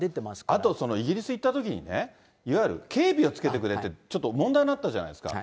あと、イギリス行ったときにね、いわゆる警備をつけてくれって、ちょっと問題になったじゃないですか。